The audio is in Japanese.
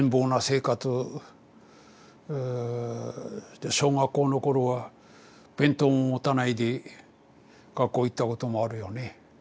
で小学校の頃は弁当も持たないで学校行ったこともあるよね。